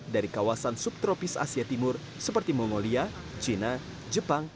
dari kawasan subtropis asia timur seperti mongolia china jepang